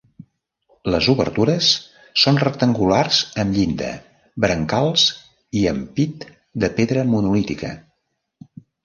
Les obertures són rectangulars amb llinda, brancals i ampit de pedra monolítica.